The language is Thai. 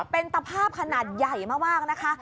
เป็นตะภาพขนาดใหญ่มากนะคะ